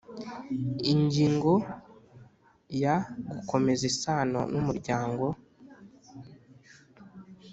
Ingingo ya Gukomeza isano n umuryango